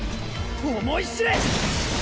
思い知れ！